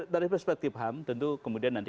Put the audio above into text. dari perspektif ham tentu kemudian nanti